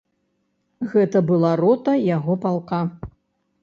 Гэта была рота яго палка.